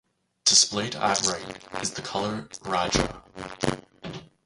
Displayed at right is the color "rajah".